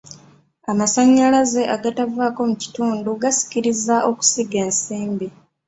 Amasannyalaze agatavaako mu kitundu gasikiriza okusiga ensimbi.